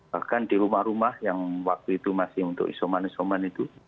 bahkan di rumah rumah yang waktu itu masih untuk isoman isoman itu